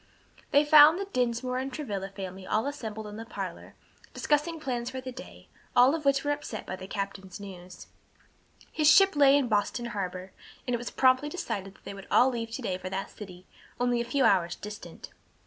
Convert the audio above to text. They found the Dinsmore and Travilla family all assembled in the parlor, discussing plans for the day, all of which were upset by the captain's news. His ship lay in Boston harbor, and it was promptly decided that they would all leave to day for that city, only a few hours' distant.